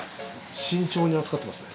慎重に扱ってますね。